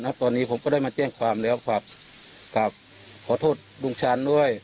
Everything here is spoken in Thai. นะครับตอนนี้ผมก็ได้มาแจ้งความแล้วครับกลับขอโทษดุงฉันด้วย